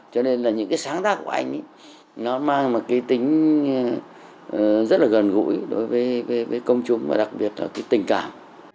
cho nên là những cái sáng tác của anh ấy nó mang một cái tính rất là gần gũi đối với công chúng và đặc biệt là cái tình cảm